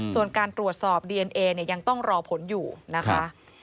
ส่วนการตรวจสอบดีเอนเอเนี่ยยังต้องรอผลอยู่นะคะ